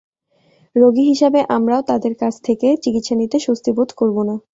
রোগী হিসেবে আমরাও তাঁদের কাছ থেকে চিকিৎসা নিতে স্বস্তি বোধ করব না।